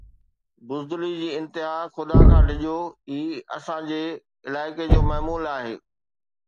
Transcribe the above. بزدلي جي انتها، خدا کان ڊڄو، هي اسان جي علائقي جو معمول آهي